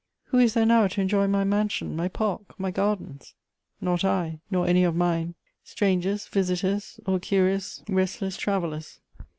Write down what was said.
Who is there now to enjoy my mansion, my park, my gardens ? Not I, nor any of mine, — strangers, visitors, or curious, restless travellers.